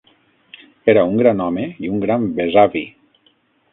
Era un gran home i un gran besavi